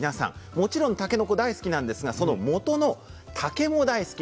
もちろんたけのこ大好きなんですがそのもとの竹も大好き。